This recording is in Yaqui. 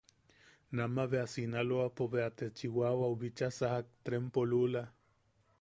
Nama bea Sinaloapo bea te. Chiwawau bicha sajak trempo lula.